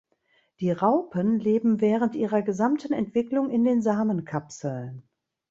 Die Raupen leben während ihrer gesamten Entwicklung in den Samenkapseln.